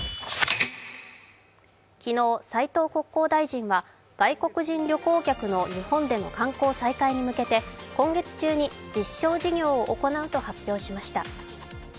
昨日斉藤国交大臣は外国人旅行客の日本での観光再開に向けて今月中に実証事業を行うと発表しました。